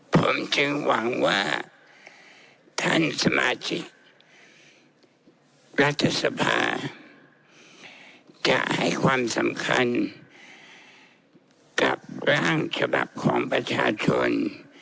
ผมจึงหวังว่าท่านสมาชิกรัฐสภาจะให้ความสำคัญกับร่างฉบับของประชาชน